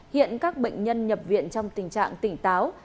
hiện các bệnh nhân nhập viện trong tình trạng tỉnh táo